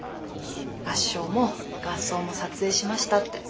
合唱も合奏も撮影しましたって。